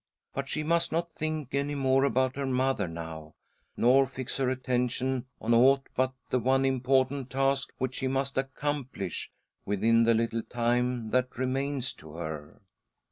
But she must not think any more about her mother now, nor fix her attention on aught but the one important task which she must accomplish within the little .time that remains to her.